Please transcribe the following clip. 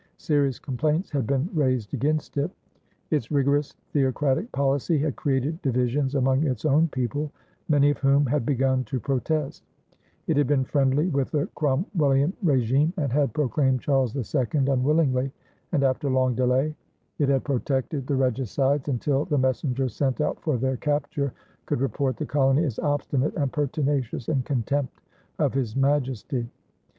Serious complaints had been raised against it; its rigorous theocratic policy had created divisions among its own people, many of whom had begun to protest; it had been friendly with the Cromwellian régime and had proclaimed Charles II unwillingly and after long delay; it had protected the regicides until the messengers sent out for their capture could report the colony as "obstinate and pertinacious in contempt of His Majestie."